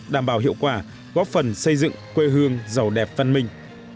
đảm bảo hiệu quả góp phần xây dựng quê hương giàu đẹp văn minh